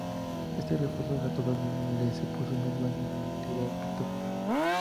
Este esfuerzo agotador, le supuso medio año de inactividad al pintor.